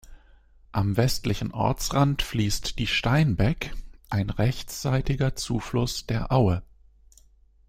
Am westlichen Ortsrand fließt die Steinbeck, ein rechtsseitiger Zufluss der Aue.